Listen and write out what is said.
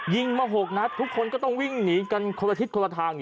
ยิงมา๖นัดทุกคนก็ต้องวิ่งหนีกันคนละทิศคนละทาง